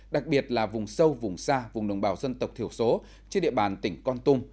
đặc biệt là vùng sâu vùng xa vùng đồng bào dân tộc thiểu số trên địa bàn tỉnh con tum